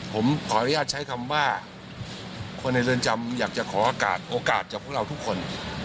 ผมขออนุญาตใช้คำว่าคนในเรือนจำอยากจะขอโอกาสโอกาสจากพวกเราทุกคน